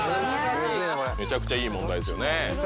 めちゃくちゃいい問題ですよね。